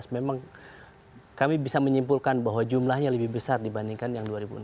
memang kami bisa menyimpulkan bahwa jumlahnya lebih besar dibandingkan yang dua ribu enam belas